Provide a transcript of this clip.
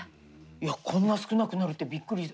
いやこんな少なくなるってびっくり。